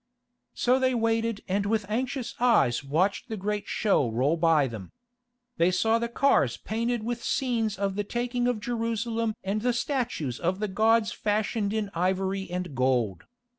So they waited and with anxious eyes watched the great show roll by them. They saw the cars painted with scenes of the taking of Jerusalem and the statues of the gods fashioned in ivory and gold.